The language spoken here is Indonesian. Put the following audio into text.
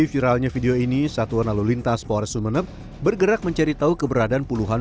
viralnya video ini satuan lalu lintas polres sumeneb bergerak mencari tahu keberadaan puluhan